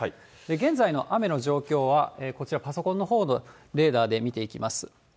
現在の雨の状況は、こちら、パソコンのほうのレーダーで見ていきます。